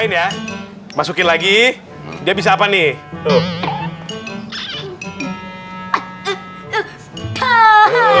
ini ya masukin lagi dia bisa apa nih